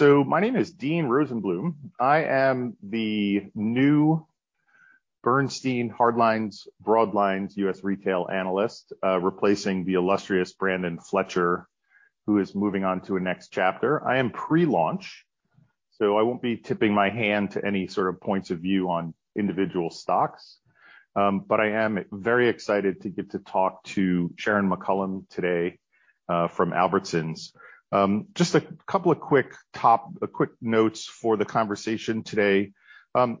My name is Dean Rosenblum. I am the new Bernstein Hardlines Broadlines Retail Analyst, replacing the illustrious Brandon Fletcher, who is moving on to a next chapter. I am pre-launch, so I won't be tipping my hand to any sort of points of view on individual stocks. But I am very excited to get to talk to Sharon McCollam today, from Albertsons. Just a couple of quick notes for the conversation today.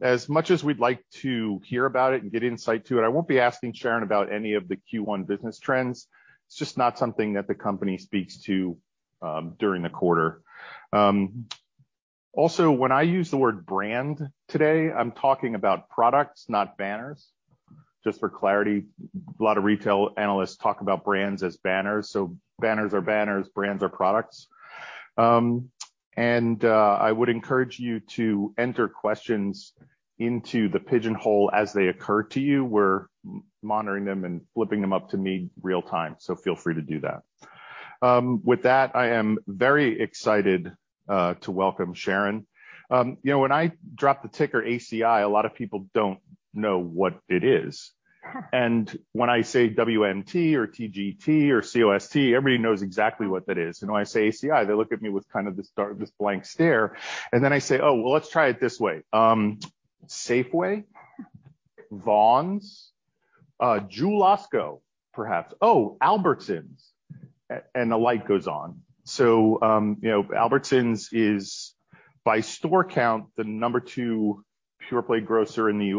As much as we'd like to hear about it and get insight to it, I won't be asking Sharon about any of the Q1 business trends. It's just not something that the company speaks to, during the quarter. Also, when I use the word brand today, I'm talking about products, not banners. Just for clarity, a lot of retail analysts talk about brands as banners. Banners are banners, brands are products. I would encourage you to enter questions into the pigeonhole as they occur to you. We're monitoring them and flipping them up to me real time, so feel free to do that. With that, I am very excited to welcome Sharon. You know, when I drop the ticker ACI, a lot of people don't know what it is. When I say WMT or TGT or COST, everybody knows exactly what that is. You know, I say ACI, they look at me with kind of this blank stare. Then I say, "Oh, well, let's try it this way. Safeway?" "Vons? Jewel-Osco, perhaps." "Oh, Albertsons." And the light goes on. You know, Albertsons is by store count, the number two pure play grocer in the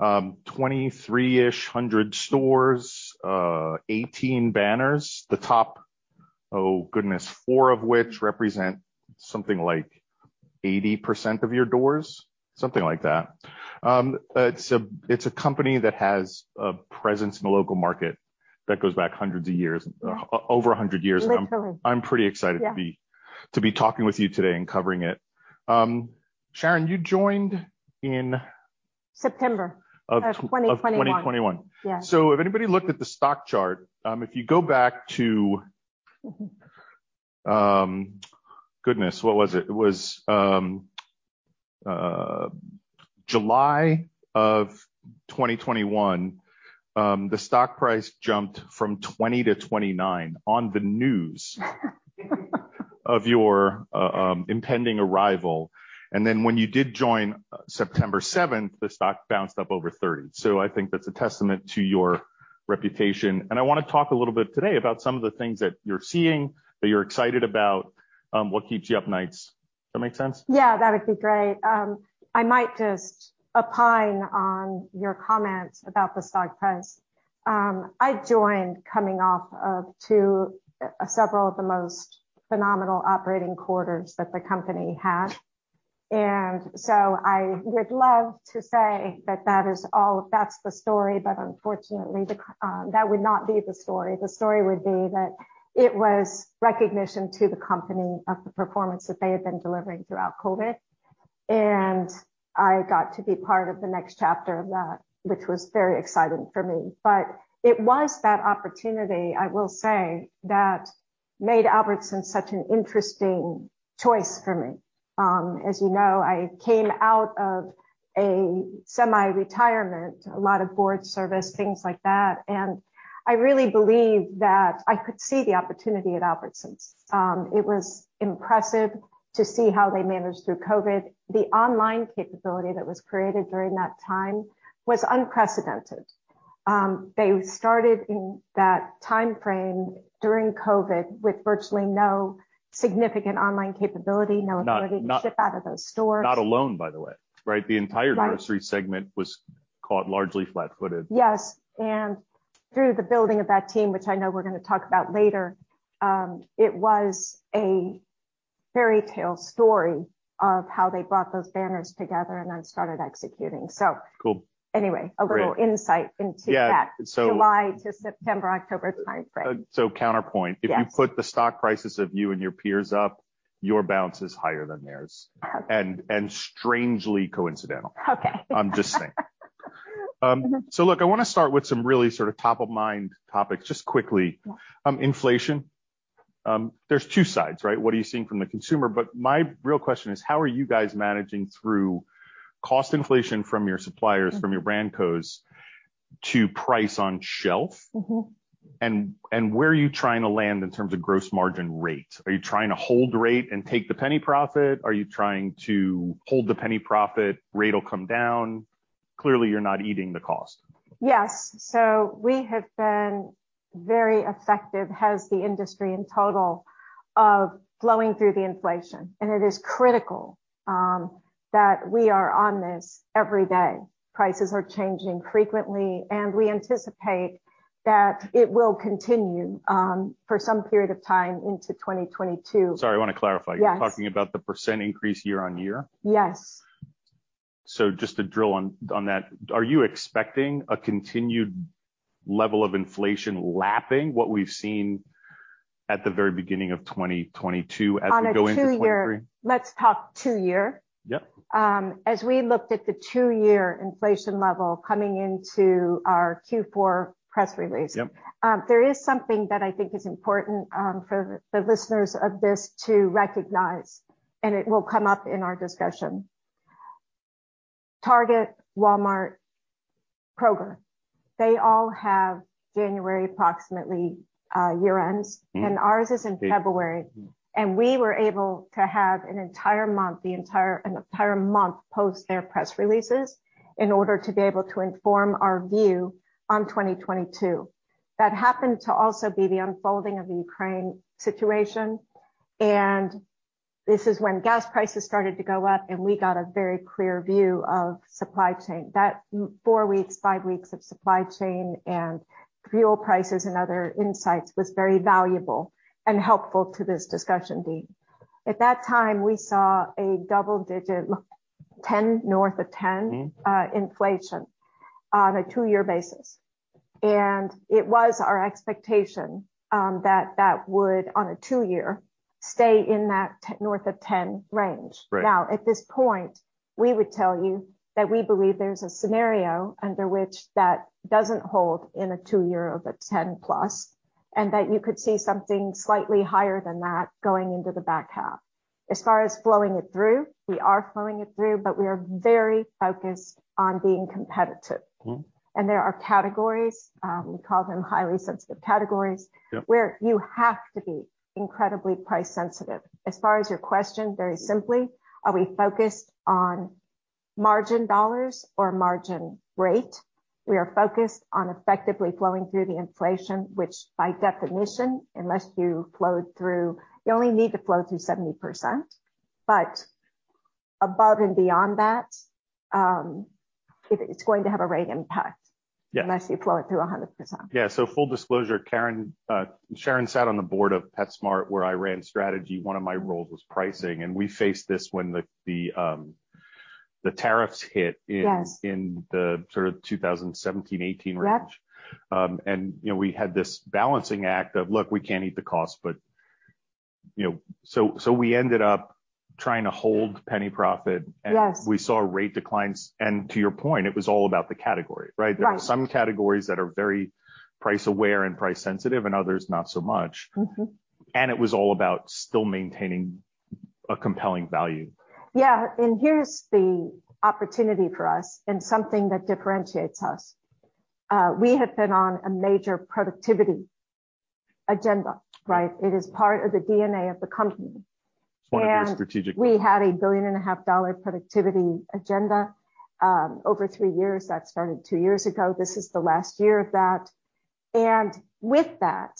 2,300-ish stores, 18 banners. The top, oh, goodness, four of which represent something like 80% of your doors, something like that. It's a company that has a presence in the local market that goes back hundreds of years. Yeah. Over 100 years. Literally. I'm pretty excited. Yeah. To be talking with you today and covering it. Sharon, you joined in? September of twenty twenty-one. Of 2021. Yeah. If anybody looked at the stock chart, if you go back to, goodness, what was it? It was July of 2021, the stock price jumped from 20 to 29 on the news of your impending arrival. Then when you did join September 7, the stock bounced up over 30. I think that's a testament to your reputation. I wanna talk a little bit today about some of the things that you're seeing, that you're excited about, what keeps you up nights. Does that make sense? Yeah, that'd be great. I might just opine on your comment about the stock price. I joined coming off of several of the most phenomenal operating quarters that the company had. I would love to say that that's the story, but unfortunately, that would not be the story. The story would be that it was recognition to the company of the performance that they had been delivering throughout COVID, and I got to be part of the next chapter of that, which was very exciting for me. It was that opportunity, I will say, that made Albertsons such an interesting choice for me. As you know, I came out of a semi-retirement, a lot of board service, things like that, and I really believe that I could see the opportunity at Albertsons. It was impressive to see how they managed through COVID. The online capability that was created during that time was unprecedented. They started in that timeframe during COVID with virtually no significant online capability, no ability to ship out of those stores. Not alone, by the way, right? Right. The entire grocery segment was caught largely flat-footed. Yes. Through the building of that team, which I know we're gonna talk about later, it was a fairytale story of how they brought those banners together and then started executing. Cool. Anyway, a little insight into that. Yeah. July to September, October timeframe. Counterpoint. Yes. If you put the stock prices of you and your peers up, your bounce is higher than theirs. Okay. strangely coincidental. Okay. I'm just saying. Look, I wanna start with some really sort of top of mind topics just quickly. Yeah. Inflation, there's two sides, right? What are you seeing from the consumer? My real question is, how are you guys managing through cost inflation from your suppliers, from your brand costs to price on shelf? Mm-hmm. where are you trying to land in terms of gross margin rate? Are you trying to hold rate and take the penny profit? Are you trying to hold the penny profit, rate will come down? Clearly you're not eating the cost. Yes. We have been very effective, as has the industry in total, in flowing through the inflation. It is critical that we are on this every day. Prices are changing frequently, and we anticipate that it will continue for some period of time into 2022. Sorry, I wanna clarify. Yes. You're talking about the % increase year-on-year? Yes. Just to drill on that, are you expecting a continued level of inflation lapping what we've seen at the very beginning of 2022 as we go into 2023? Let's talk two-year. Yep. As we looked at the two-year inflation level coming into our Q4 press release. Yep. There is something that I think is important for the listeners of this to recognize, and it will come up in our discussion. Target, Walmart, Kroger, they all have January approximately year ends, and ours is in February. We were able to have an entire month post their press releases in order to be able to inform our view on 2022. That happened to also be the unfolding of the Ukraine situation, and this is when gas prices started to go up, and we got a very clear view of supply chain. That four weeks, five weeks of supply chain and fuel prices and other insights was very valuable and helpful to this discussion, Dean. At that time, we saw a double digit, 10, north of 10 inflation on a two-year basis. It was our expectation that would, on a two-year, stay in that 10, north of 10% range. Right. Now, at this point, we would tell you that we believe there's a scenario under which that doesn't hold in a two-year over 10-plus, and that you could see something slightly higher than that going into the back half. As far as flowing it through, we are flowing it through, but we are very focused on being competitive. Mm-hmm. There are categories, we call them highly sensitive categories. Yeah. Where you have to be incredibly price sensitive. As far as your question, very simply, are we focused on margin dollars or margin rate? We are focused on effectively flowing through the inflation, which by definition, unless you flow through, you only need to flow through 70%. But above and beyond that, it's going to have a rate impact. Yeah. unless you flow it through 100%. Yeah. Full disclosure, Sharon McCollam sat on the board of PetSmart, where I ran strategy. One of my roles was pricing, and we faced this when the tariffs hit in- Yes. in the sort of 2017-18 range. Yep. You know, we had this balancing act of, look, we can't eat the cost, but, you know. We ended up trying to hold penny profit. Yes. We saw rate declines. To your point, it was all about the category, right? Right. There were some categories that are very price aware and price sensitive, and others not so much. Mm-hmm. It was all about still maintaining a compelling value. Yeah. Here's the opportunity for us and something that differentiates us. We have been on a major productivity agenda, right? It is part of the DNA of the company. It's one of your strategic. We had a $1.5 billion productivity agenda over three years. That started two years ago. This is the last year of that. With that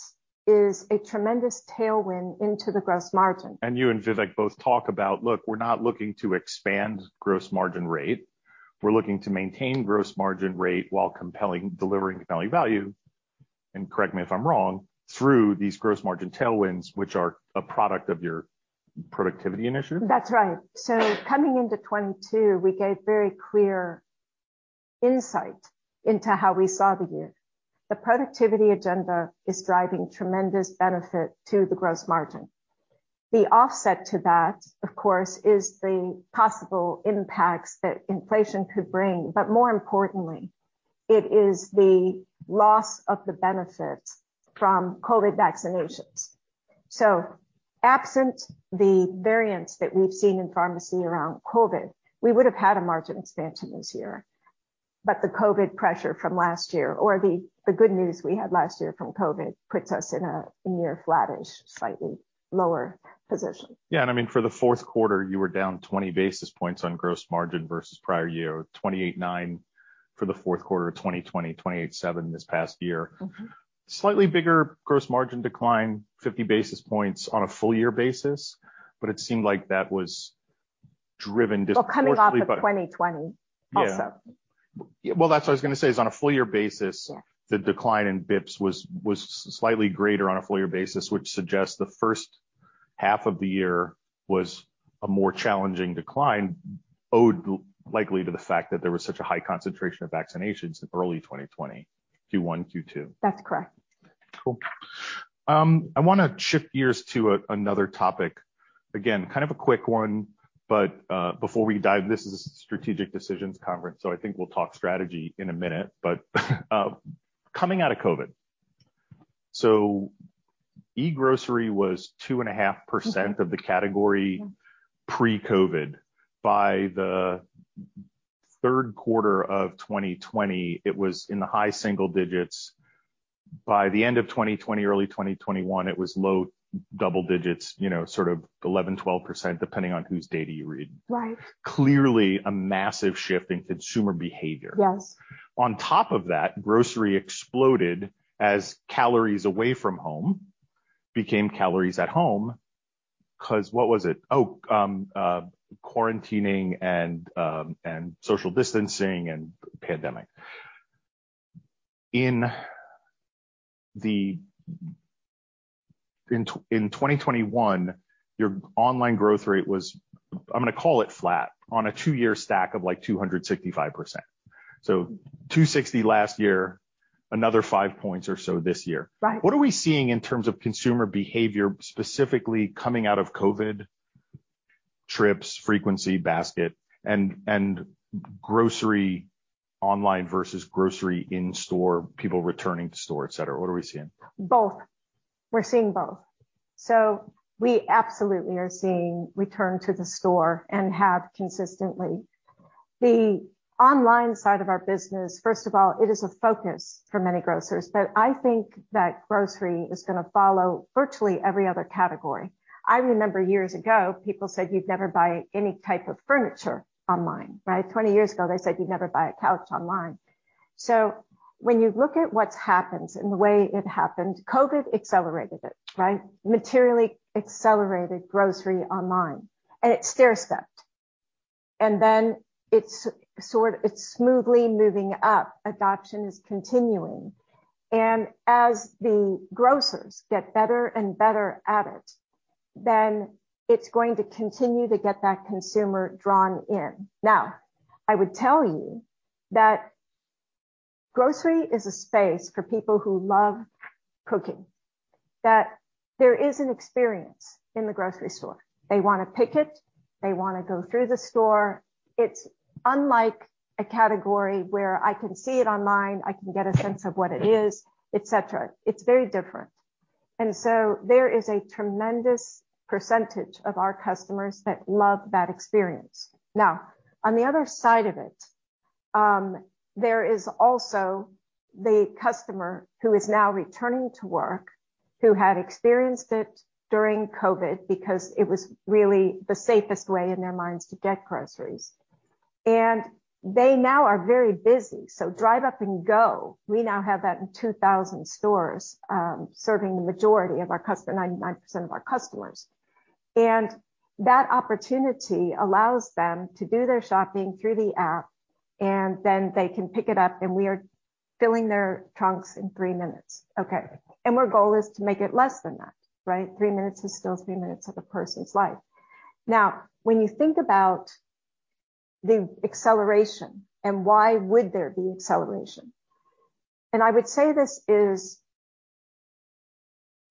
is a tremendous tailwind into the gross margin. You and Vivek both talk about, look, we're not looking to expand gross margin rate. We're looking to maintain gross margin rate while compelling, delivering compelling value, and correct me if I'm wrong, through these gross margin tailwinds, which are a product of your productivity initiative? That's right. Coming into 2022, we gave very clear insight into how we saw the year. The productivity agenda is driving tremendous benefit to the gross margin. The offset to that, of course, is the possible impacts that inflation could bring. More importantly, it is the loss of the benefits from COVID vaccinations. Absent the variants that we've seen in pharmacy around COVID, we would have had a margin expansion this year. The COVID pressure from last year or the good news we had last year from COVID puts us in a near flattish, slightly lower position. I mean, for the fourth quarter, you were down 20 basis points on gross margin versus prior year, 28.9% for the fourth quarter of 2020, 28.7% this past year. Mm-hmm. Slightly bigger gross margin decline, 50 basis points on a full year basis. It seemed like that was driven disproportionately by- Well, coming off of 2020 also. Yeah. Well, that's what I was gonna say, is on a full year basis. Yeah. The decline in basis points was slightly greater on a full year basis, which suggests the first half of the year was a more challenging decline, due likely to the fact that there was such a high concentration of vaccinations in early 2020, Q1, Q2. That's correct. Cool. I wanna shift gears to another topic. Again, kind of a quick one, but before we dive, this is a Strategic Decisions Conference, so I think we'll talk strategy in a minute. Coming out of COVID, e-grocery was 2.5% of the category pre-COVID. By the third quarter of 2020, it was in the high single digits. By the end of 2020, early 2021, it was low double digits, you know, sort of 11, 12%, depending on whose data you read. Right. Clearly a massive shift in consumer behavior. Yes. On top of that, grocery exploded as calories away from home became calories at home because of quarantining and social distancing and pandemic. In 2021, your online growth rate was, I'm gonna call it flat on a two-year stack of like 265%. So 260% last year, another 5 points or so this year. Right. What are we seeing in terms of consumer behavior, specifically coming out of COVID trips, frequency, basket and grocery online versus grocery in-store, people returning to store, et cetera? What are we seeing? Both. We're seeing both. We absolutely are seeing return to the store and have consistently. The online side of our business, first of all, it is a focus for many grocers, but I think that grocery is gonna follow virtually every other category. I remember years ago, people said you'd never buy any type of furniture online, right? 20 years ago, they said you'd never buy a couch online. When you look at what's happened and the way it happened, COVID accelerated it, right? Materially accelerated grocery online, and it stairstepped. Then it's smoothly moving up. Adoption is continuing. As the grocers get better and better at it, then it's going to continue to get that consumer drawn in. Now, I would tell you that grocery is a space for people who love cooking, that there is an experience in the grocery store. They wanna pick it, they wanna go through the store. It's unlike a category where I can see it online, I can get a sense of what it is, et cetera. It's very different. There is a tremendous percentage of our customers that love that experience. Now, on the other side of it, there is also the customer who is now returning to work, who had experienced it during COVID because it was really the safest way in their minds to get groceries. They now are very busy. Drive Up & Go, we now have that in 2,000 stores, serving the majority of our customer, 99% of our customers. That opportunity allows them to do their shopping through the app, and then they can pick it up, and we are filling their trunks in three minutes, okay. Our goal is to make it less than that, right? Three minutes is still three minutes of a person's life. Now, when you think about the acceleration and why would there be acceleration, and I would say this is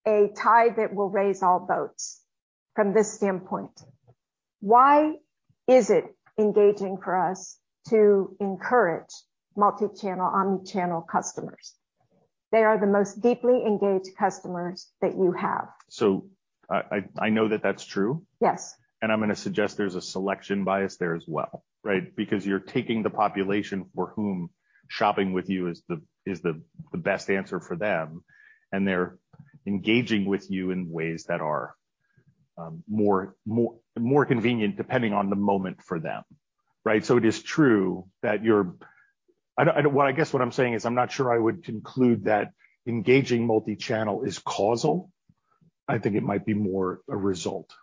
a tide that will raise all boats from this standpoint. Why is it engaging for us to encourage multi-channel, omni-channel customers? They are the most deeply engaged customers that you have. I know that that's true. Yes. I'm gonna suggest there's a selection bias there as well, right? Because you're taking the population for whom shopping with you is the best answer for them, and they're engaging with you in ways that are more convenient depending on the moment for them. Right? It is true that what I guess I'm saying is I'm not sure I would conclude that engaging multi-channel is causal. I think it might be more a result.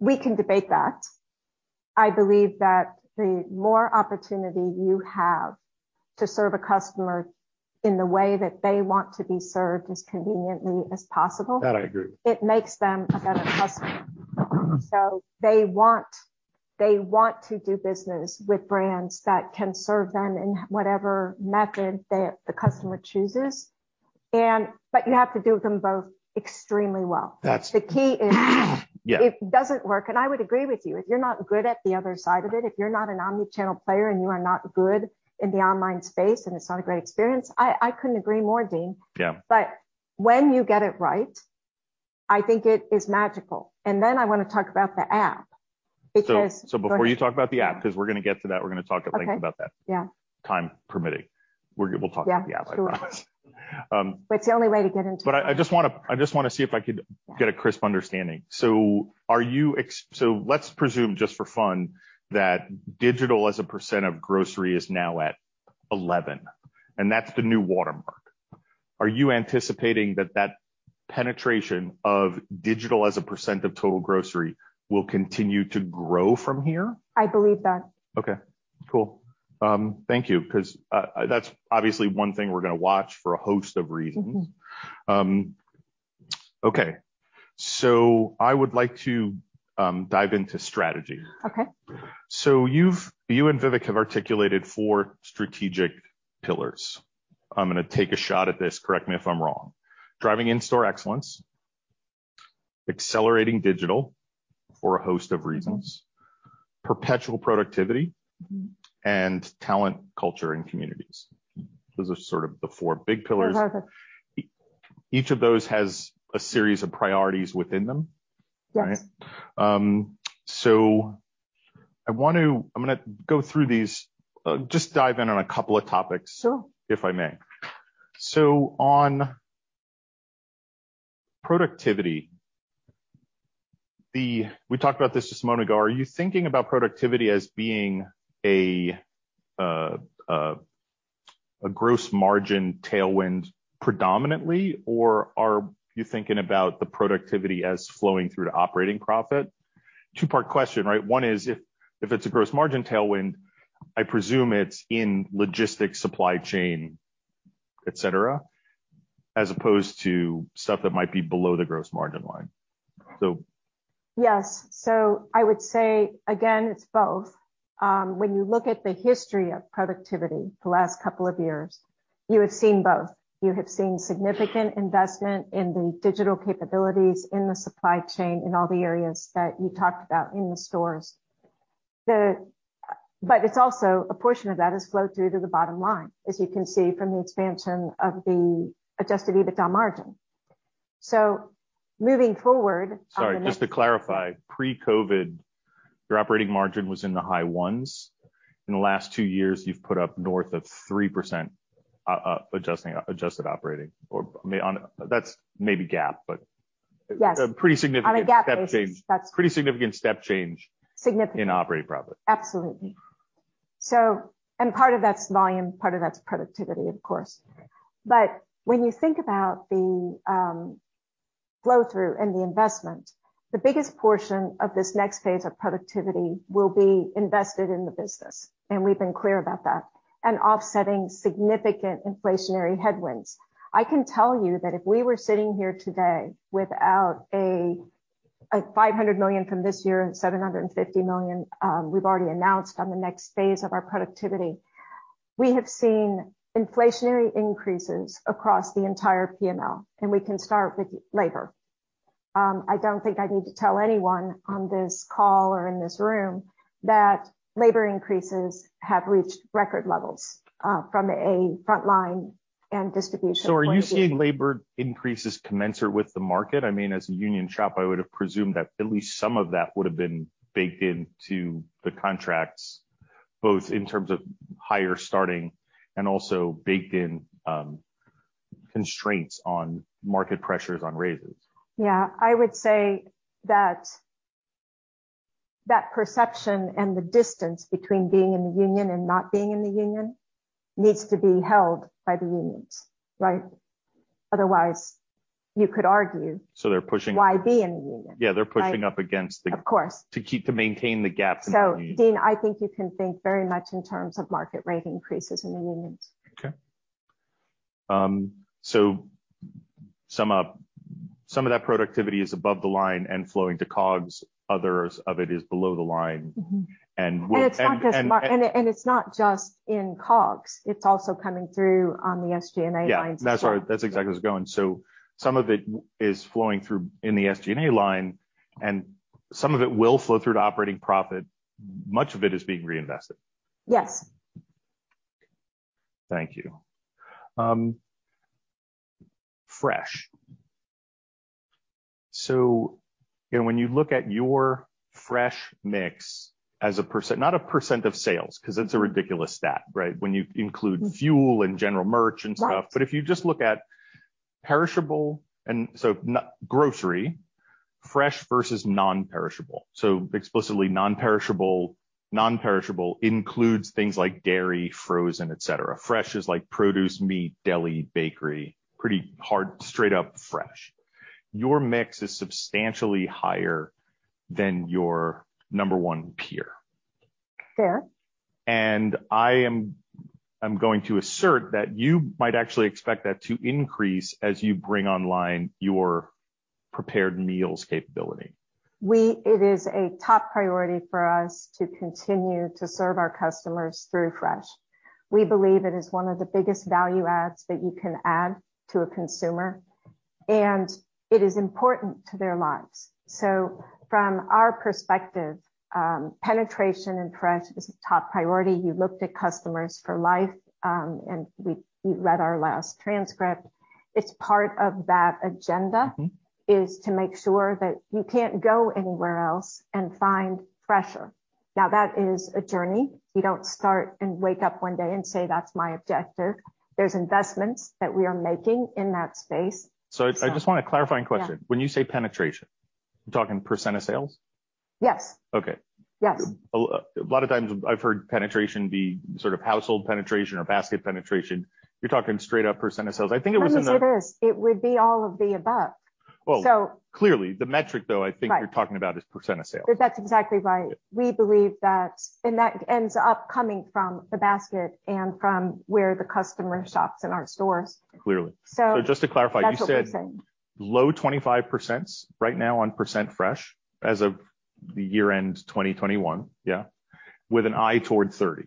We can debate that. I believe that the more opportunity you have to serve a customer in the way that they want to be served as conveniently as possible. That I agree with. It makes them a better customer. Mm-hmm. They want to do business with brands that can serve them in whatever method that the customer chooses, but you have to do them both extremely well. That's true. The key is. Yeah. It doesn't work, and I would agree with you. If you're not good at the other side of it, if you're not an omni-channel player and you are not good in the online space, and it's not a great experience, I couldn't agree more, Dean. Yeah. When you get it right, I think it is magical. Then I wanna talk about the app because before you talk about the app, 'cause we're gonna get to that, we're gonna talk at length about that. Okay. Yeah. Time permitting. We'll talk about the app, I promise. Yeah. Sure. It's the only way to get into it. I just wanna see if I could get a crisp understanding. Let's presume just for fun that digital as a percent of grocery is now at 11%, and that's the new watermark. Are you anticipating that penetration of digital as a percent of total grocery will continue to grow from here? I believe that. Okay. Cool. Thank you, 'cause, that's obviously one thing we're gonna watch for a host of reasons. Mm-hmm. Okay. I would like to dive into strategy. Okay. You and Vivek have articulated four strategic pillars. I'm gonna take a shot at this, correct me if I'm wrong. Driving in-store excellence, accelerating digital for a host of reasons. Mm-hmm. Perpetual productivity. Mm-hmm. Talent, culture, and communities. Those are sort of the four big pillars. That's perfect. Each of those has a series of priorities within them, right? Yes. I'm gonna go through these, just dive in on a couple of topics. Sure. If I may. On productivity, we talked about this just a moment ago. Are you thinking about productivity as being a gross margin tailwind predominantly, or are you thinking about the productivity as flowing through to operating profit? Two-part question, right? One is if it's a gross margin tailwind, I presume it's in logistics, supply chain, et cetera, as opposed to stuff that might be below the gross margin line. Yes. I would say, again, it's both. When you look at the history of productivity the last couple of years, you have seen both. You have seen significant investment in the digital capabilities in the supply chain in all the areas that you talked about in the stores. It's also a portion of that has flowed through to the bottom line, as you can see from the expansion of the adjusted EBITDA margin. Moving forward on the next Sorry, just to clarify, pre-COVID, your operating margin was in the high ones. In the last two years, you've put up north of 3%, adjusted operating margin. That's maybe GAAP, but- Yes. A pretty significant step change. On a GAAP basis. Pretty significant step change. Significant in operating profit. Absolutely. Part of that's volume, part of that's productivity, of course. When you think about the flow-through and the investment, the biggest portion of this next phase of productivity will be invested in the business, and we've been clear about that, and offsetting significant inflationary headwinds. I can tell you that if we were sitting here today without a $500 million from this year and $750 million we've already announced on the next phase of our productivity. We have seen inflationary increases across the entire P&L, and we can start with labor. I don't think I need to tell anyone on this call or in this room that labor increases have reached record levels from a frontline and distribution point of view. Are you seeing labor increases commensurate with the market? I mean, as a union shop, I would have presumed that at least some of that would have been baked into the contracts, both in terms of higher starting and also baked in, constraints on market pressures on raises. Yeah. I would say that perception and the distance between being in the union and not being in the union needs to be held by the unions, right? Otherwise, you could argue. So they're pushing- Why be in the union? Yeah. They're pushing up against the Of course. To maintain the gap between. Dean, I think you can think very much in terms of market rate increases in the unions. Okay. Sum up, some of that productivity is above the line and flowing to COGS, others of it is below the line. Mm-hmm. And we're- It's not just in COGS, it's also coming through on the SG&A lines as well. Yeah. That's right. That's exactly where it's going. Some of it is flowing through in the SG&A line, and some of it will flow through to operating profit. Much of it is being reinvested. Yes. Thank you. You know, when you look at your fresh mix as a %, not a % of sales, 'cause that's a ridiculous stat, right? When you include fuel and general merch and stuff. Right. If you just look at perishable and non-grocery, fresh versus non-perishable. Explicitly non-perishable. Non-perishable includes things like dairy, frozen, et cetera. Fresh is like produce, meat, deli, bakery, pretty hard, straight-up fresh. Your mix is substantially higher than your number one peer. Fair. I'm going to assert that you might actually expect that to increase as you bring online your prepared meals capability. It is a top priority for us to continue to serve our customers through fresh. We believe it is one of the biggest value adds that you can add to a consumer, and it is important to their lives. From our perspective, penetration and fresh is a top priority. You looked at Customers for Life, and we read our last transcript. It's part of that agenda. Mm-hmm. Is to make sure that you can't go anywhere else and find fresher. Now, that is a journey. You don't start and wake up one day and say, "That's my objective." There's investments that we are making in that space, so. I just want a clarifying question. Yeah. When you say penetration, you're talking % of sales? Yes. Okay. Yes. A lot of times I've heard penetration be sort of household penetration or basket penetration. You're talking straight up percent of sales. I think it was in the Let me say this, it would be all of the above. Well- So. Clearly, the metric, though, I think you're talking about is percent of sales. That's exactly right. Yeah. We believe that, and that ends up coming from the basket and from where the customer shops in our stores. Clearly. So. Just to clarify, you said. That's what we're saying. Low 25% right now on percent fresh as of year-end 2021, yeah, with an eye toward 30%.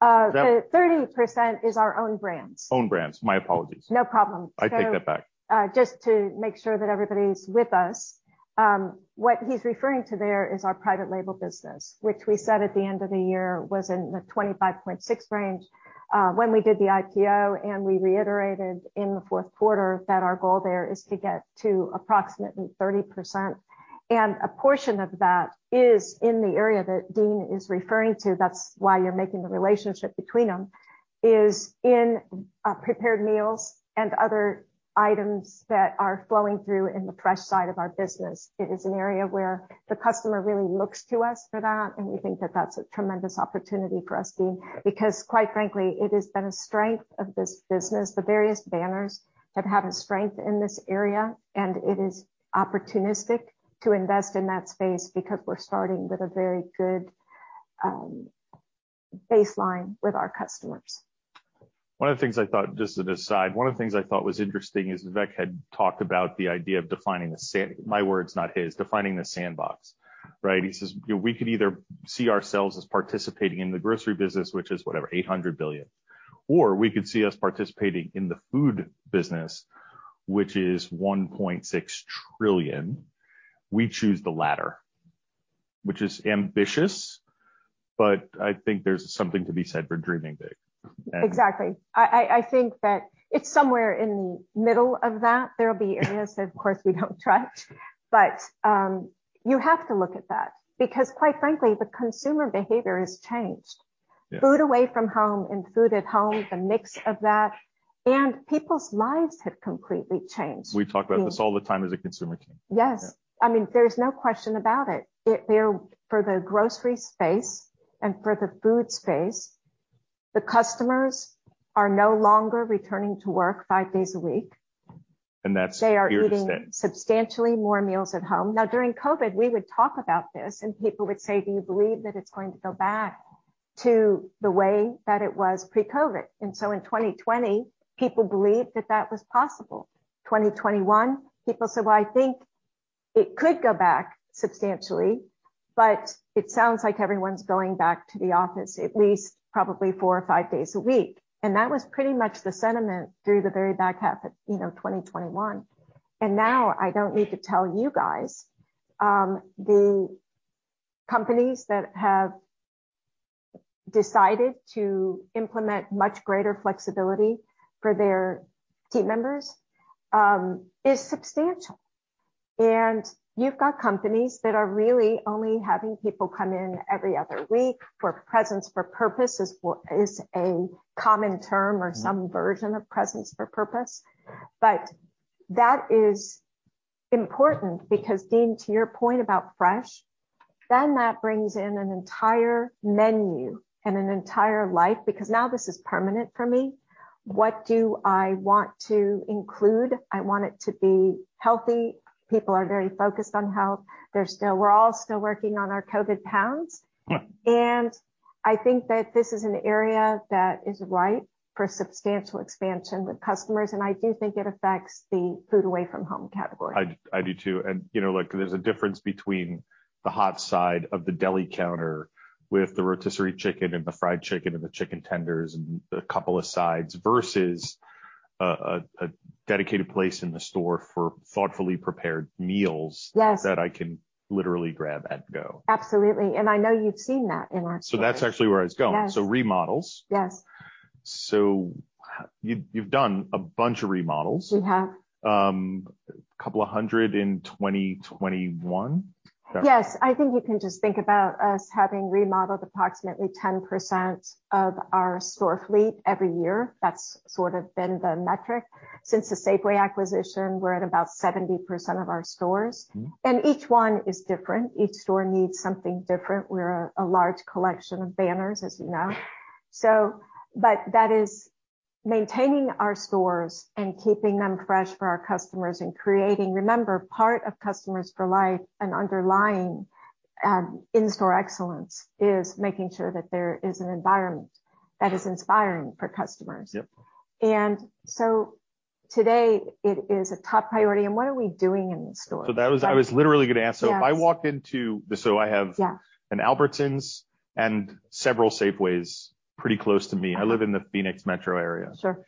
The 30% is our own brands. Own brands. My apologies. No problem. I take that back. Just to make sure that everybody's with us, what he's referring to there is our private label business, which we said at the end of the year was in the 25.6% range, when we did the IPO, and we reiterated in the fourth quarter that our goal there is to get to approximately 30%. A portion of that is in the area that Dean is referring to. That's the relationship between them is in prepared meals and other items that are flowing through in the fresh side of our business. It is an area where the customer really looks to us for that, and we think that that's a tremendous opportunity for us, Dean. Quite frankly, it has been a strength of this business. The various banners have had a strength in this area, and it is opportunistic to invest in that space because we're starting with a very good baseline with our customers. One of the things I thought was interesting is Vivek had talked about the idea of defining the sandbox, right? He says, "We could either see ourselves as participating in the grocery business, which is whatever, $800 billion. Or we could see us participating in the food business, which is $1.6 trillion." We choose the latter, which is ambitious, but I think there's something to be said for dreaming big. Exactly. I think that it's somewhere in the middle of that. There will be areas that, of course, we don't touch, but you have to look at that because quite frankly, the consumer behavior has changed. Yes. Food away from home and food at home, the mix of that, and people's lives have completely changed. We talk about this all the time as a consumer team. Yes. Yeah. I mean, there's no question about it. For the grocery space and for the food space, the customers are no longer returning to work five days a week. That's your statement. They are eating substantially more meals at home. Now, during COVID, we would talk about this and people would say, "Do you believe that it's going to go back to the way that it was pre-COVID?" In 2020 people believed that that was possible. 2021 people said, "Well, I think it could go back substantially, but it sounds like everyone's going back to the office at least probably four or five days a week." That was pretty much the sentiment through the very back half of, you know, 2021. Now I don't need to tell you guys, the companies that have decided to implement much greater flexibility for their team members is substantial. You've got companies that are really only having people come in every other week for presence for purpose is a common term or some version of presence for purpose. That is important because, Dean, to your point about fresh, that brings in an entire menu and an entire life, because now this is permanent for me. What do I want to include? I want it to be healthy. People are very focused on health. We're all still working on our COVID pounds. Yeah. I think that this is an area that is ripe for substantial expansion with customers, and I do think it affects the food away from home category. I do too. You know, look, there's a difference between the hot side of the deli counter with the rotisserie chicken and the fried chicken and the chicken tenders and a couple of sides versus a dedicated place in the store for thoughtfully prepared meals. Yes. that I can literally grab and go. Absolutely. I know you've seen that in our stores. That's actually where I was going. Yes. Remodels. Yes. You've done a bunch of remodels. We have. A couple of hundred in 2021. Yes. I think you can just think about us having remodeled approximately 10% of our store fleet every year. That's sort of been the metric. Since the Safeway acquisition, we're at about 70% of our stores. Mm-hmm. Each one is different. Each store needs something different. We're a large collection of banners, as you know. That is maintaining our stores and keeping them fresh for our customers. Remember, part of Customers for Life and underlying in-store excellence is making sure that there is an environment that is inspiring for customers. Yep. Today it is a top priority, and what are we doing in the stores? I was literally gonna ask. Yes. So if I walked into the-- so I have- Yeah. An Albertsons and several Safeways pretty close to me. I live in the Phoenix metro area. Sure.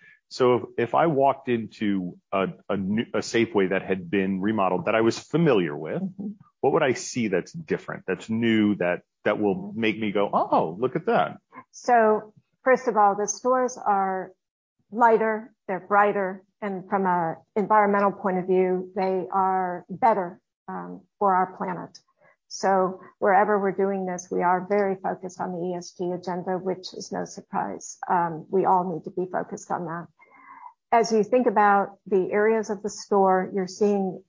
If I walked into a new Safeway that had been remodeled that I was familiar with. Mm-hmm. What would I see that's different, that's new, that will make me go, "Oh, look at that. First of all, the stores are lighter, they're brighter, and from an environmental point of view, they are better for our planet. Wherever we're doing this, we are very focused on the ESG agenda, which is no surprise. We all need to be focused on that. As you think about the areas of the store, you're seeing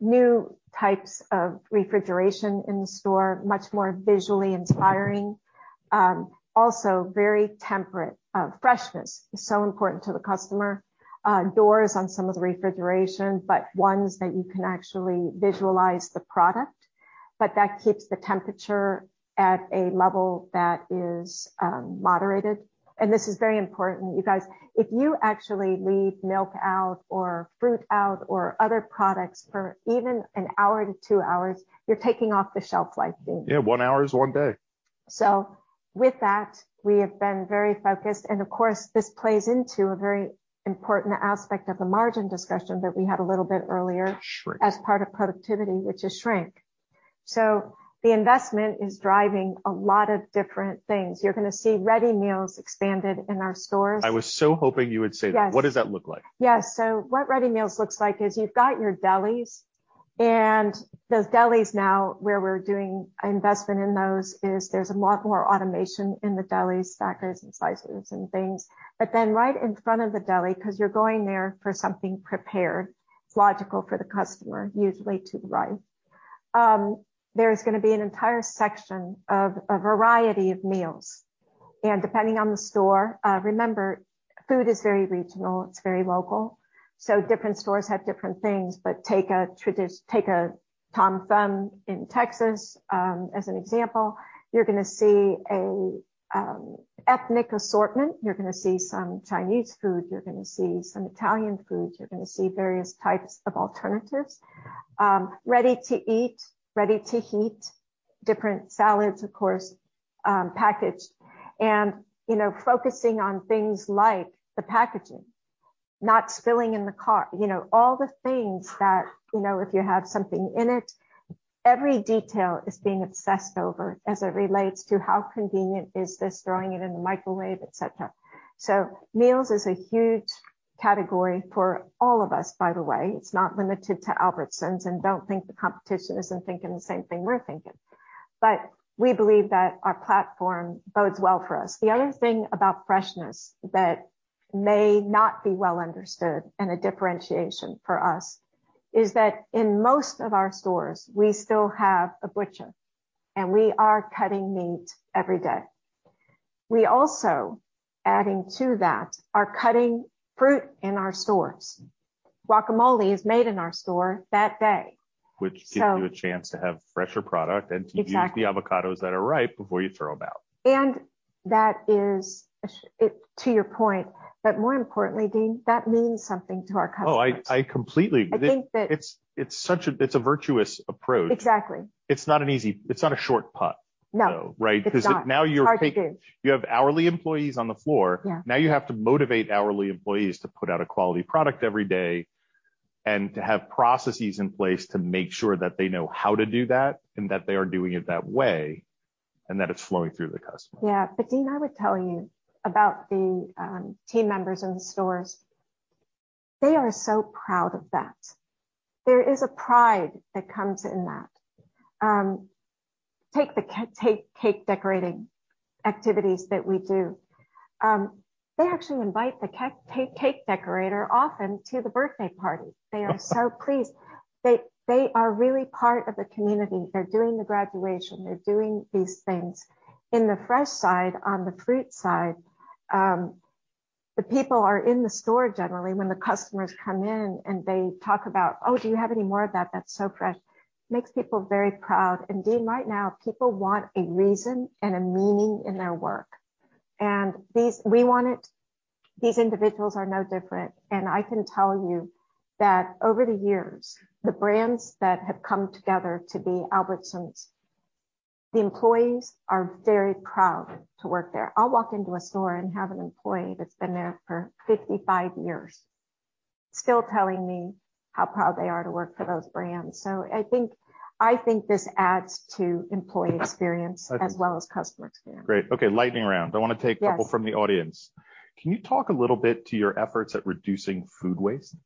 new types of refrigeration in the store, much more visually inspiring. Also very temperate. Freshness is so important to the customer. Doors on some of the refrigeration, but ones that you can actually visualize the product, but that keeps the temperature at a level that is moderated. This is very important, you guys. If you actually leave milk out or fruit out or other products for even an hour to two hours, you're taking off the shelf life, Dean. Yeah. One hour is one day. With that, we have been very focused, and of course, this plays into a very important aspect of the margin discussion that we had a little bit earlier. Sure. As part of productivity, which is shrink. The investment is driving a lot of different things. You're gonna see ready meals expanded in our stores. I was so hoping you would say that. Yes. What does that look like? Yes. What ready meals looks like is you've got your delis, and those delis now where we're doing investment in those is there's a lot more automation in the delis, stackers and slicers and things. Then right in front of the deli, 'cause you're going there for something prepared, it's logical for the customer usually to the right, there is gonna be an entire section of a variety of meals. Depending on the store, remember, food is very regional, it's very local, so different stores have different things. Take a Tom Thumb in Texas, as an example. You're gonna see a, ethnic assortment. You're gonna see some Chinese food, you're gonna see some Italian food, you're gonna see various types of alternatives, ready to eat, ready to heat. Different salads, of course, packaged and, you know, focusing on things like the packaging, not spilling in the cart. You know, all the things that, you know, if you have something in it, every detail is being obsessed over as it relates to how convenient is this, throwing it in the microwave, et cetera. Meals is a huge category for all of us, by the way. It's not limited to Albertsons, and don't think the competition isn't thinking the same thing we're thinking. We believe that our platform bodes well for us. The other thing about freshness that may not be well understood and a differentiation for us is that in most of our stores, we still have a butcher, and we are cutting meat every day. We also, adding to that, are cutting fruit in our stores. Guacamole is made in our store that day. Which gives you a chance to have fresher product. Exactly. To use the avocados that are ripe before you throw them out. That is, to your point, but more importantly, Dean, that means something to our customers. Oh, I completely. I think that. It's a virtuous approach. Exactly. It's not a short putt. No. Right? It's not. 'Cause now you're- It's hard to do. You have hourly employees on the floor. Yeah. Now you have to motivate hourly employees to put out a quality product every day and to have processes in place to make sure that they know how to do that and that they are doing it that way and that it's flowing through the customer. Yeah. Dean, I would tell you about the team members in the stores. They are so proud of that. There is a pride that comes in that. Take the cake decorating activities that we do. They actually invite the cake decorator often to the birthday party. They are so pleased. They are really part of the community. They are doing the graduation. They are doing these things. In the fresh side, on the fruit side, the people are in the store generally when the customers come in, and they talk about, "Oh, do you have any more of that? That's so fresh." Makes people very proud. Dean, right now, people want a reason and a meaning in their work. These we want it. These individuals are no different. I can tell you that over the years, the brands that have come together to be Albertsons, the employees are very proud to work there. I'll walk into a store and have an employee that's been there for 55 years still telling me how proud they are to work for those brands. I think this adds to employee experience as well as customer experience. Great. Okay, lightning round. I want to take a couple from the audience. Can you talk a little bit to your efforts at reducing food waste?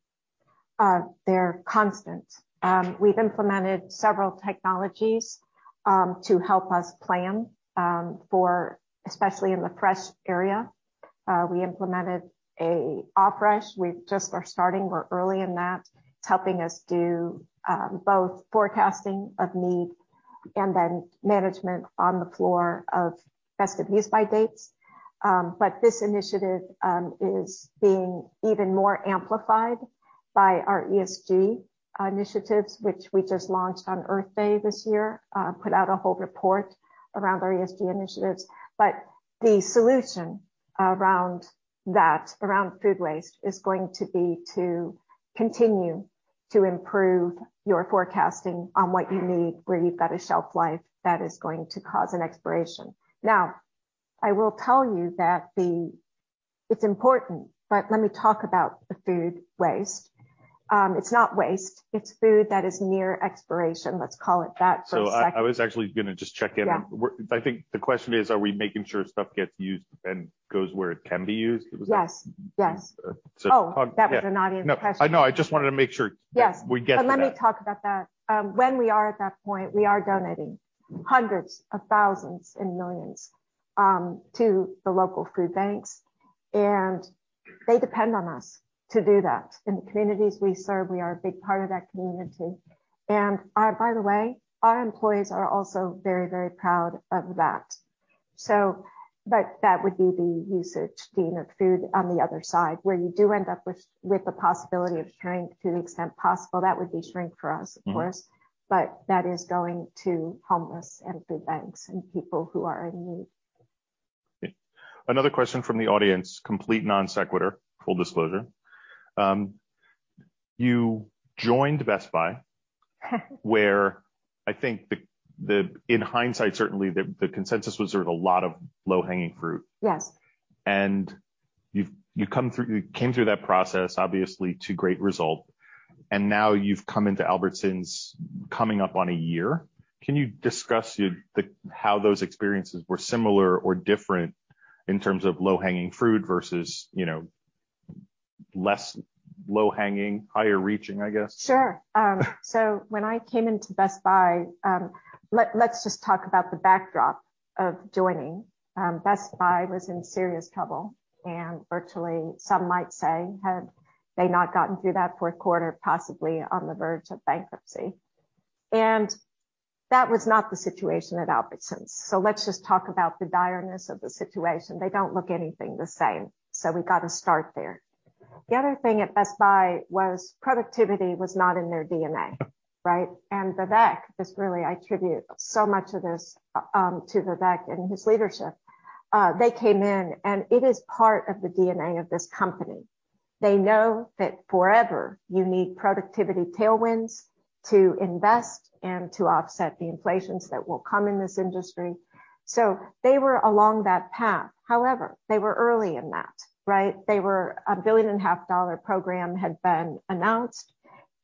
They're constant. We've implemented several technologies to help us plan for especially in the fresh area. We implemented OpFresh. We're just starting. We're early in that. It's helping us do both forecasting of need and then management on the floor of best if used by dates. This initiative is being even more amplified by our ESG initiatives, which we just launched on Earth Day this year, put out a whole report around our ESG initiatives. The solution around that, around food waste, is going to be to continue to improve your forecasting on what you need, where you've got a shelf life that is going to cause an expiration. Now, I will tell you that it's important, but let me talk about the food waste. It's not waste. It's food that is near expiration. Let's call it that for a second. I was actually gonna just check in. Yeah. I think the question is, are we making sure stuff gets used and goes where it can be used? Yes. Yes. So- Oh, that was an audience question. No. I know. I just wanted to make sure. Yes. We get to that. Let me talk about that. When we are at that point, we are donating hundreds of thousands and millions to the local food banks, and they depend on us to do that. In the communities we serve, we are a big part of that community. By the way, our employees are also very, very proud of that. That would be the usage, Dean, of food on the other side, where you do end up with the possibility of shrink to the extent possible. That would be shrink for us, of course. Mm-hmm. That is going to homeless and food banks and people who are in need. Another question from the audience, complete non sequitur, full disclosure. You joined Best Buy, where I think, in hindsight, certainly the consensus was there was a lot of low-hanging fruit. Yes. You came through that process, obviously to great result, and now you've come into Albertsons coming up on a year. Can you discuss how those experiences were similar or different in terms of low-hanging fruit versus, you know, less low-hanging, higher reaching, I guess? Sure. So when I came into Best Buy, let's just talk about the backdrop of joining. Best Buy was in serious trouble, and virtually some might say, had they not gotten through that fourth quarter, possibly on the verge of bankruptcy. That was not the situation at Albertsons. Let's just talk about the direness of the situation. They don't look anything the same, so we've got to start there. The other thing at Best Buy was productivity was not in their DNA, right? Vivek is really. I attribute so much of this to Vivek and his leadership. They came in, and it is part of the DNA of this company. They know that forever you need productivity tailwinds to invest and to offset the inflations that will come in this industry. They were along that path. However, they were early in that, right? They were a $1.5 billion program had been announced,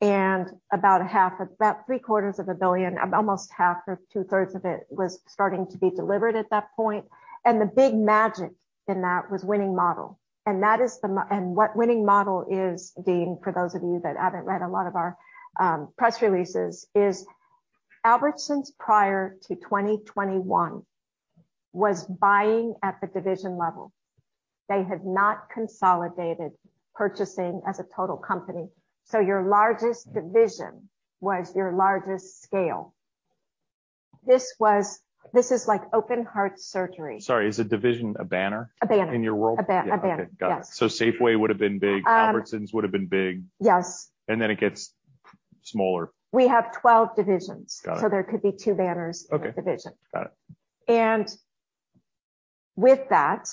and about a half, about three quarters of a billion, almost half or two-thirds of it was starting to be delivered at that point. The big magic in that was winning model. That is what winning model is, Dean, for those of you that haven't read a lot of our press releases, is Albertsons, prior to 2021, was buying at the division level. They had not consolidated purchasing as a total company. Your largest division was your largest scale. This is like open-heart surgery. Sorry, is a division a banner? A banner. in your world? A banner. Yeah. Okay. Got it. Yes. Safeway would have been big. Um- Albertsons would have been big. Yes. It gets smaller. We have 12 divisions. Got it. There could be two banners. Okay. In a division. Got it. With that,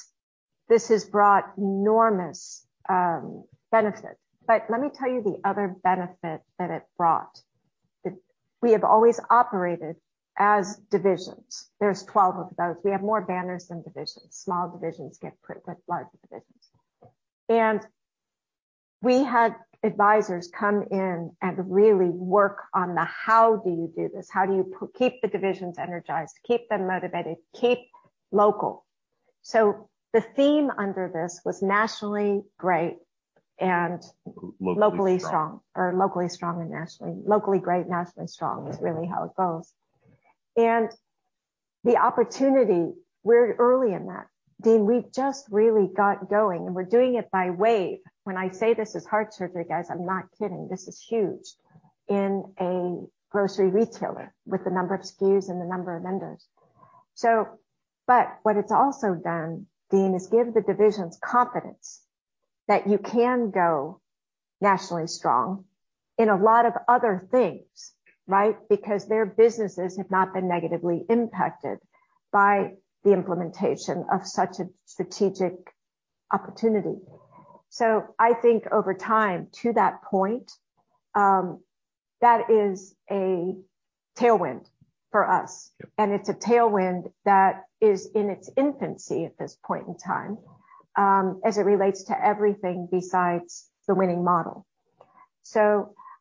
this has brought enormous benefit. Let me tell you the other benefit that it brought. We have always operated as divisions. There's 12 of those. We have more banners than divisions. Small divisions get put with larger divisions. We had advisors come in and really work on the how do you do this? How do you keep the divisions energized, keep them motivated, keep local? The theme under this was nationally great and Locally strong. Locally strong or locally strong and nationally. Locally great, nationally strong is really how it goes. The opportunity, we're early in that. Dean, we just really got going, and we're doing it by wave. When I say this is heart surgery, guys, I'm not kidding. This is huge in a grocery retailer with the number of SKUs and the number of vendors. So, but what it's also done, Dean, is give the divisions confidence that you can go nationally strong in a lot of other things, right? Because their businesses have not been negatively impacted by the implementation of such a strategic opportunity. So I think over time, to that point, that is a tailwind for us. Yep. It's a tailwind that is in its infancy at this point in time, as it relates to everything besides the winning model.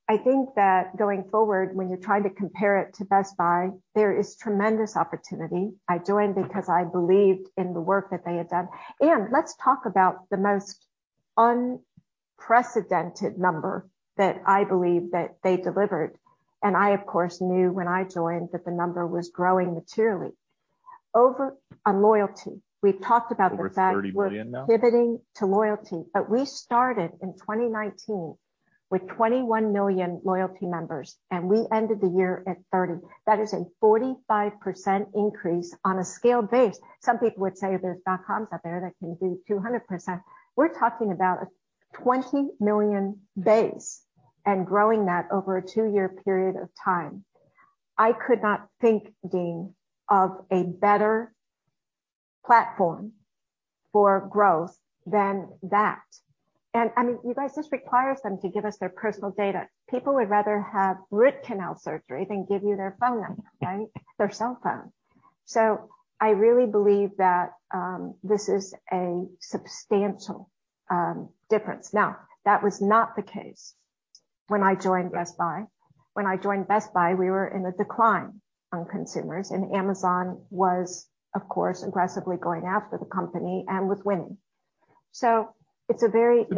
I think that going forward, when you're trying to compare it to Best Buy, there is tremendous opportunity. I joined because I believed in the work that they had done. Let's talk about the most unprecedented number that I believe that they delivered, and I of course knew when I joined that the number was growing materially. Over on loyalty, we talked about the fact. Over 30 million now? We're pivoting to loyalty, but we started in 2019 with 21 million loyalty members, and we ended the year at 30. That is a 45% increase on a scaled base. Some people would say there's dotcoms out there that can do 200%. We're talking about a 20 million base and growing that over a 2-year period of time. I could not think, Dean, of a better platform for growth than that. And I mean, you guys, this requires them to give us their personal data. People would rather have root canal surgery than give you their phone number, right? Their cell phone. So I really believe that, this is a substantial difference. Now, that was not the case when I joined Best Buy. When I joined Best Buy, we were in a decline on consumers, and Amazon was of course aggressively going after the company and was winning. It's a different-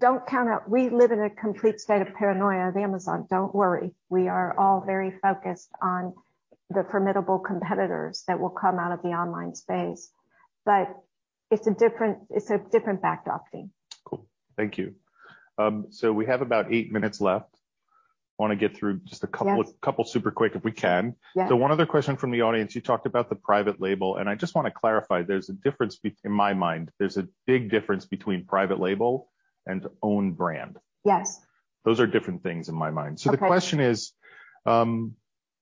Don't count out. We live in a complete state of paranoia of Amazon. Don't worry. We are all very focused on the formidable competitors that will come out of the online space. It's a different backdrop, Dean. Cool. Thank you. We have about eight minutes left. Wanna get through just a couple. Yes. Couple super quick if we can. Yes. One other question from the audience. You talked about the private label, and I just wanna clarify, there's a difference in my mind, there's a big difference between private label and own brand. Yes. Those are different things in my mind. Okay. The question is,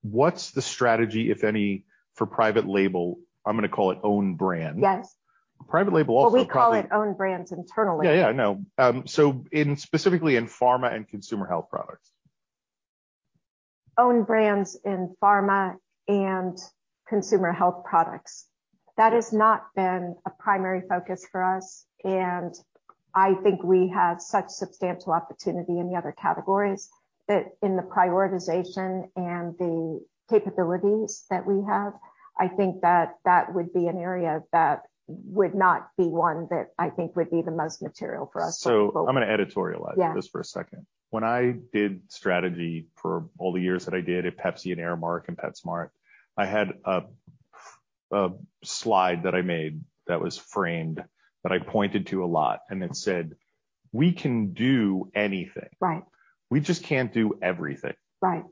what's the strategy, if any, for private label? I'm gonna call it own brand. Yes. Private label also probably. Well, we call it own brands internally. Yeah, I know. Specifically in pharma and consumer health products. Own brands in pharma and consumer health products. Yeah. That has not been a primary focus for us, and I think we have such substantial opportunity in the other categories that in the prioritization and the capabilities that we have, I think that that would be an area that would not be one that I think would be the most material for us going forward. I'm gonna editorialize- Yeah. Just for a second. When I did strategy for all the years that I did at PepsiCo and Aramark and PetSmart, I had a slide that I made that was framed, that I pointed to a lot, and it said, "We can do anything. Right. We just can't do everything. Right.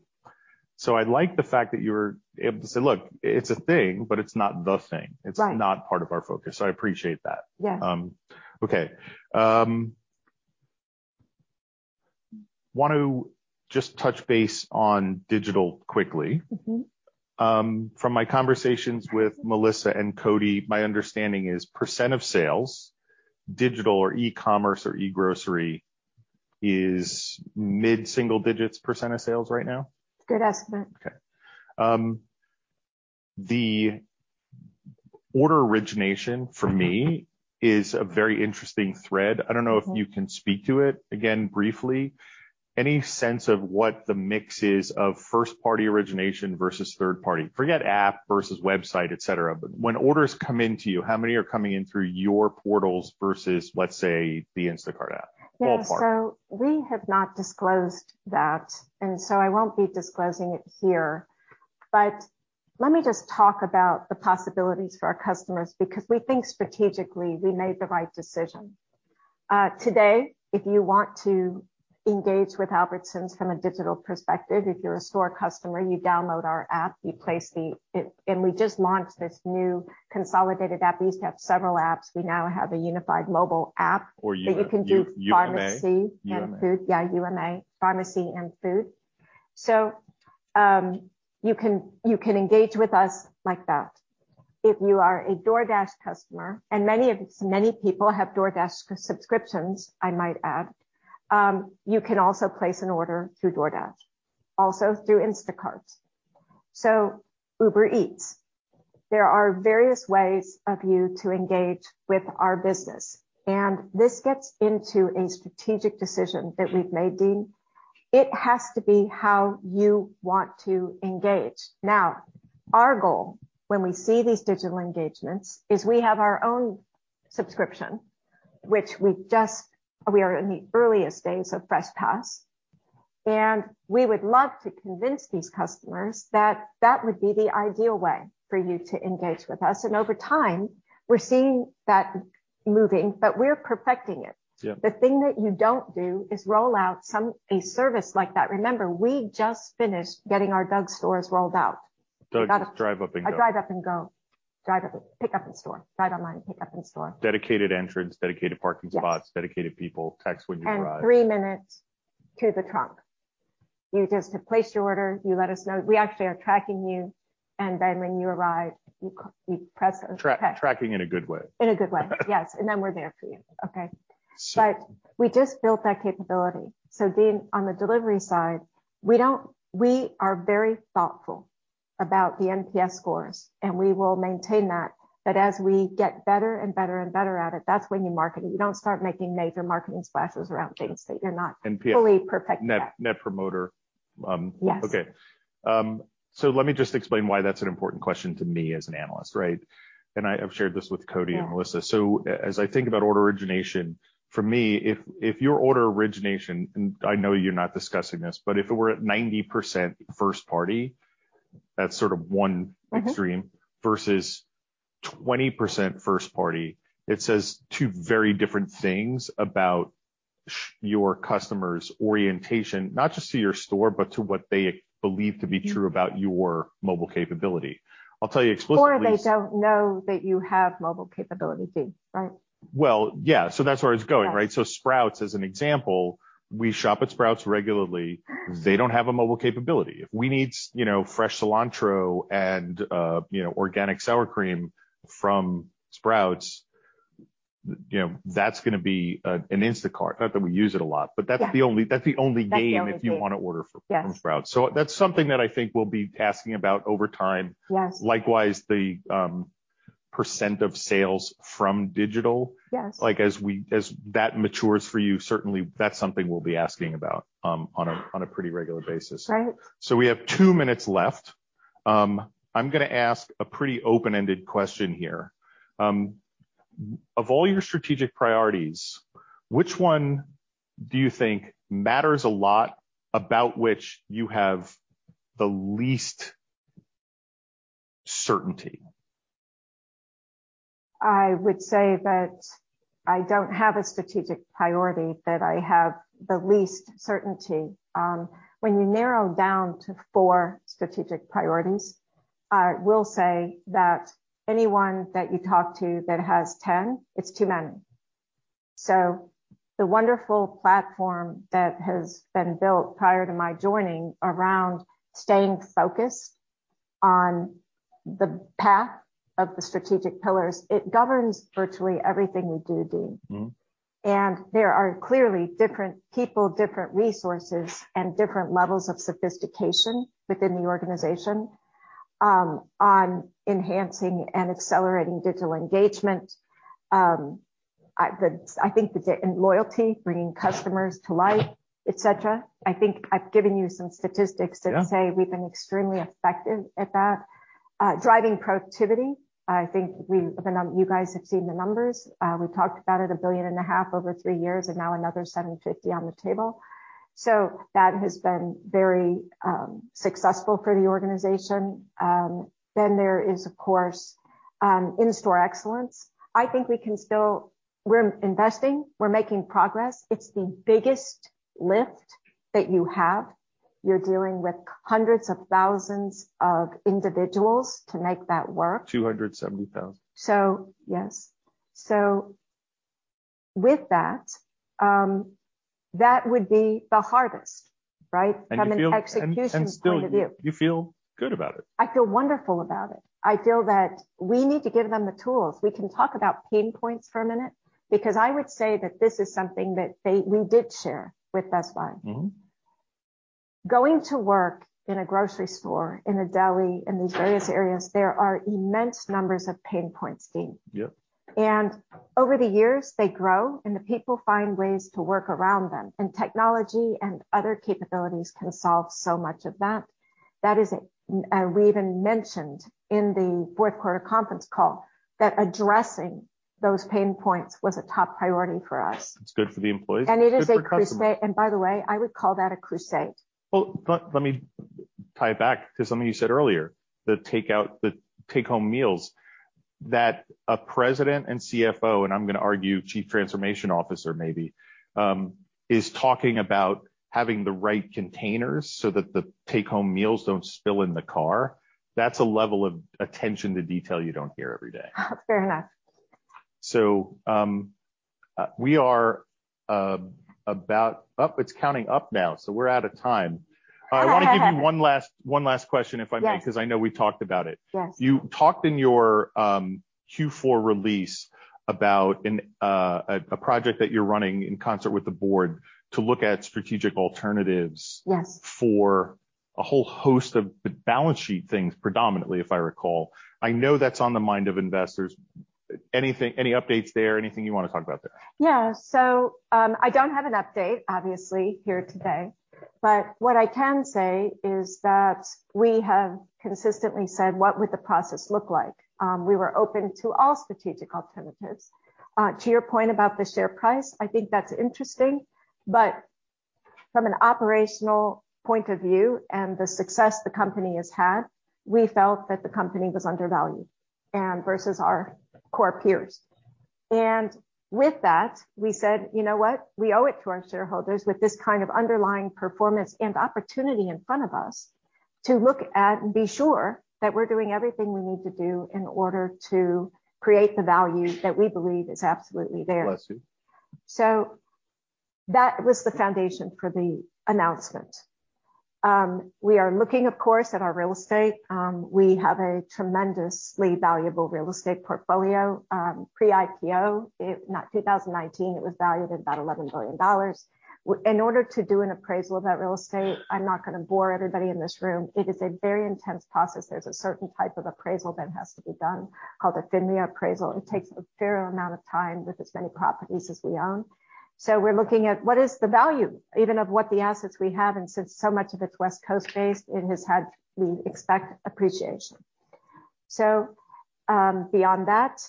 I like the fact that you're able to say, "Look, it's a thing, but it's not the thing. Right. It's not part of our focus." I appreciate that. Yes. Okay. Want to just touch base on digital quickly. Mm-hmm. From my conversations with Melissa and Cody, my understanding is percent of sales, digital or e-commerce or e-grocery is mid-single digits percent of sales right now. Good estimate. Okay. The order origination for me is a very interesting thread. I don't know if you can speak to it again briefly. Any sense of what the mix is of first party origination versus third party? Forget app versus website, et cetera, but when orders come into you, how many are coming in through your portals versus, let's say, the Instacart app? Ballpark. Yeah. We have not disclosed that, and so I won't be disclosing it here. Let me just talk about the possibilities for our customers because we think strategically we made the right decision. Today, if you want to engage with Albertsons from a digital perspective, if you're a store customer, you download our app. We just launched this new consolidated app. We used to have several apps. We now have a unified mobile app. UMA. You can do pharmacy and food. UMA. Yeah, UMA, pharmacy and food. You can engage with us like that. If you are a DoorDash customer, and many people have DoorDash subscriptions, I might add, you can also place an order through DoorDash, also through Instacart. Uber Eats. There are various ways for you to engage with our business, and this gets into a strategic decision that we've made, Dean. It has to be how you want to engage. Our goal when we see these digital engagements is we have our own subscription, which we are in the earliest days of FreshPass, and we would love to convince these customers that that would be the ideal way for you to engage with us. Over time, we're seeing that moving, but we're perfecting it. Yeah. The thing that you don't do is roll out a service like that. Remember, we just finished getting our DUG stores rolled out. DUG, Drive Up & Go. Our Drive Up & Go. Drive up and pick up in store. Drive online, pick up in store. Dedicated entrance, dedicated parking spots. Yes. Dedicated people. Text when you arrive. Three minutes to the trunk. You just place your order, you let us know. We actually are tracking you, and then when you arrive, you press okay. Track, tracking in a good way. In a good way. Yes. We're there for you. Okay? So- We just built that capability. Dean, on the delivery side, we are very thoughtful about the NPS scores, and we will maintain that. As we get better and better and better at it, that's when you market it. You don't start making major marketing splashes around things that you're not fully perfecting yet. NPS, Net Promoter. Yes. Okay. Let me just explain why that's an important question to me as an analyst, right? I've shared this with Cody and Melissa. Yeah. I think about order origination, for me, if your order origination, and I know you're not discussing this, but if it were at 90% first party, that's sort of one extreme. Mm-hmm. Versus 20% first party, it says two very different things about your customer's orientation, not just to your store, but to what they believe to be true about your mobile capability. I'll tell you explicitly. They don't know that you have mobile capability, Dean, right? Well, yeah. That's where I was going, right? Right. Sprouts, as an example, we shop at Sprouts regularly. They don't have a mobile capability. If we need you know, fresh cilantro and, you know, organic sour cream from Sprouts, you know, that's gonna be an Instacart. Not that we use it a lot, but that's the only. Yeah. That's the only game. That's the only game. If you want to order from Sprouts. Yes. That's something that I think we'll be talking about over time. Yes. Likewise, the percent of sales from digital. Yes. Like, as that matures for you, certainly that's something we'll be asking about on a pretty regular basis. Right. We have two minutes left. I'm gonna ask a pretty open-ended question here. Of all your strategic priorities, which one do you think matters a lot about which you have the least certainty? I would say that I don't have a strategic priority that I have the least certainty. When you narrow down to four strategic priorities, I will say that anyone that you talk to that has 10, it's too many. The wonderful platform that has been built prior to my joining around staying focused on the path of the strategic pillars, it governs virtually everything we do, Dean. Mm-hmm. There are clearly different people, different resources, and different levels of sophistication within the organization on enhancing and accelerating digital engagement and loyalty, bringing customers to life, et cetera. I think I've given you some statistics. Yeah. That says we've been extremely effective at that. Driving productivity, I think you guys have seen the numbers. We talked about it, $1.5 billion over three years and now another $750 million on the table. That has been very successful for the organization. There is, of course, in-store excellence. I think we're investing, we're making progress. It's the biggest lift that you have. You're dealing with hundreds of thousands of individuals to make that work. Two hundred and seventy thousand. Yes. With that would be the hardest, right? From an execution point of view. Still you feel good about it. I feel wonderful about it. I feel that we need to give them the tools. We can talk about pain points for a minute, because I would say that this is something that we did share with Best Buy. Mm-hmm. Going to work in a grocery store, in a deli, in these various areas, there are immense numbers of pain points, Dean. Yep. Over the years, they grow and the people find ways to work around them, and technology and other capabilities can solve so much of that. That is, we even mentioned in the fourth quarter conference call that addressing those pain points was a top priority for us. It's good for the employees, it's good for customers. It is a crusade. By the way, I would call that a crusade. Well, let me tie it back to something you said earlier, the take-home meals. That a President and CFO, and I'm gonna argue Chief Transformation Officer maybe, is talking about having the right containers so that the take-home meals don't spill in the car. That's a level of attention to detail you don't hear every day. Fair enough. Oh, it's counting up now, so we're out of time. I wanna give you one last question, if I may. Yes. 'Cause I know we talked about it. Yes. You talked in your Q4 release about a project that you're running in concert with the board to look at strategic alternatives? Yes For a whole host of the balance sheet things, predominantly, if I recall. I know that's on the mind of investors. Any updates there? Anything you wanna talk about there? Yeah. I don't have an update, obviously, here today, but what I can say is that we have consistently said, what would the process look like? We were open to all strategic alternatives. To your point about the share price, I think that's interesting, but from an operational point of view and the success the company has had, we felt that the company was undervalued and versus our core peers. With that, we said, "You know what? We owe it to our shareholders with this kind of underlying performance and opportunity in front of us to look at and be sure that we're doing everything we need to do in order to create the value that we believe is absolutely there. Bless you. That was the foundation for the announcement. We are looking of course at our real estate. We have a tremendously valuable real estate portfolio, pre-IPO. In 2019, it was valued at about $11 billion. In order to do an appraisal of that real estate, I'm not gonna bore everybody in this room, it is a very intense process. There's a certain type of appraisal that has to be done, called a FIRREA appraisal. It takes a fair amount of time with as many properties as we own. We're looking at what is the value, even of what the assets we have, and since so much of it's West Coast based, it has had, we expect, appreciation. Beyond that,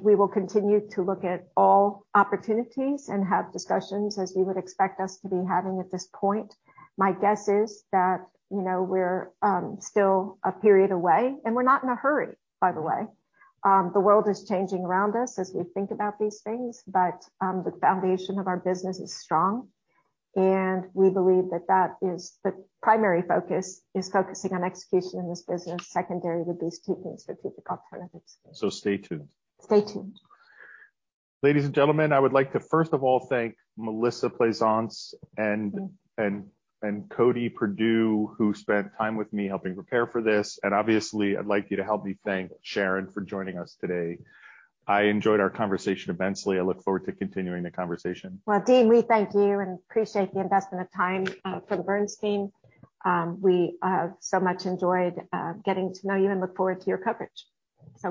we will continue to look at all opportunities and have discussions as you would expect us to be having at this point. My guess is that, you know, we're still a period away, and we're not in a hurry, by the way. The world is changing around us as we think about these things, but the foundation of our business is strong, and we believe that that is the primary focus is focusing on execution in this business. Secondary would be seeking strategic alternatives. stay tuned. Stay tuned. Ladies and gentlemen, I would like to first of all thank Melissa Plaisance and Cody Perdue, who spent time with me helping prepare for this. Obviously, I'd like you to help me thank Sharon for joining us today. I enjoyed our conversation immensely. I look forward to continuing the conversation. Well, Dean, we thank you and appreciate the investment of time from the Bernstein team. We so much enjoyed getting to know you and look forward to your coverage.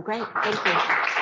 Great. Thank you.